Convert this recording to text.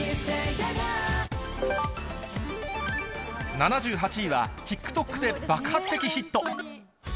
７８位は、ＴｉｋＴｏｋで爆発的ヒット。